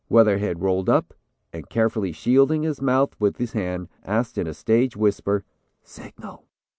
Weatherhead rolled up, and carefully shielding his mouth with his hand, asked in a stage whisper 'Signal.'